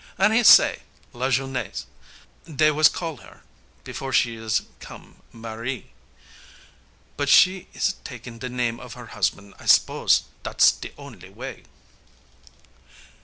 An he say, "Lajeunesse, dey was call her, before she is come mariée, But she's takin' de nam' of her husban' I s'pose dat's de only way."